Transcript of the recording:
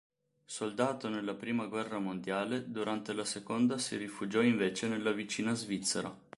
Soldato nella prima guerra mondiale, durante la seconda si rifugiò invece nella vicina Svizzera.